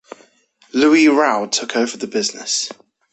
Louis Rao took over the business.